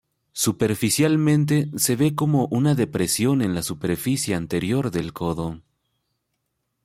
Superficialmente, se ve como una depresión en la superficie anterior del codo.